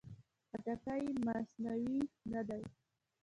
خټکی مصنوعي نه ده.